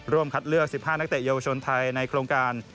คัดเลือก๑๕นักเตะเยาวชนไทยในโครงการ